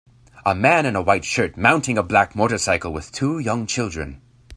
A man in a white shirt mounting a black motorcycle with two young children.